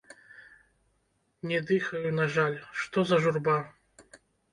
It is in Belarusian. Не дыхаю, на жаль, што за журба?